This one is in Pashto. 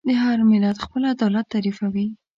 هر ملت خپل عدالت تعریفوي.